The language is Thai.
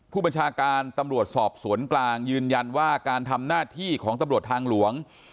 ผู้บัญชาการตำรวจสอบสวนกลางยืนยันว่าการทำหน้าที่ของตำรวจทางหลวง